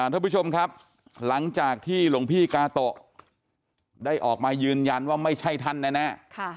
ท่านผู้ชมครับหลังจากที่หลวงพี่กาโตะได้ออกมายืนยันว่าไม่ใช่ท่านแน่